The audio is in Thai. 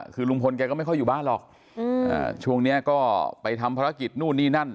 คือลุงพลแกก็ไม่ค่อยอยู่บ้านหรอกช่วงนี้ก็ไปทำภารกิจนู่นนี่นั่น